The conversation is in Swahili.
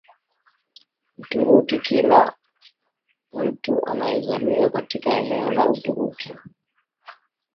Mturuki kila mtu aliyezaliwa katika eneo la Uturuki